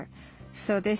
そうです。